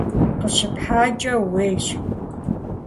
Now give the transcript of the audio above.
КъыщыпхьакӀэ ууейщ!